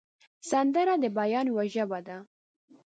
سندره د بیان یوه ژبه ده